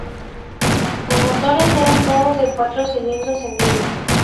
Los motores eran todos de cuatro cilindros en línea.